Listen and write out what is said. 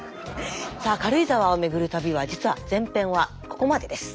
さあ軽井沢を巡る旅は実は前編はここまでです。